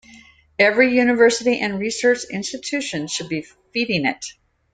Every university and research institution should be feeding it.